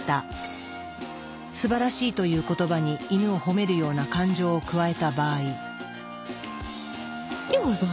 「すばらしい」という言葉にイヌを褒めるような感情を加えた場合。